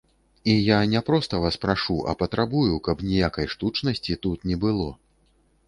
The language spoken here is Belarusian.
І я не проста вас прашу, а патрабую, каб ніякай штучнасці тут не было.